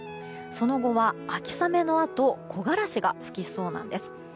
その後は秋雨のあと木枯らしが吹きそうなんです。